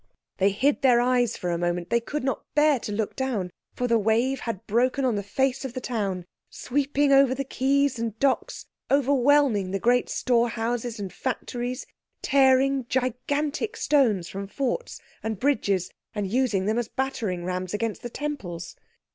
They hid their eyes for a moment. They could not bear to look down, for the wave had broken on the face of the town, sweeping over the quays and docks, overwhelming the great storehouses and factories, tearing gigantic stones from forts and bridges, and using them as battering rams against the temples.